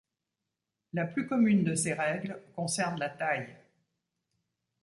La plus commune de ces règles concerne la taille.